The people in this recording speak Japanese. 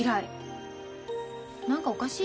何かおかしい？